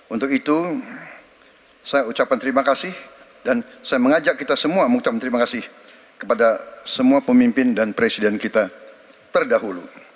untuk itu saya ucapkan terima kasih dan saya mengajak kita semua mengucapkan terima kasih kepada semua pemimpin dan presiden kita terdahulu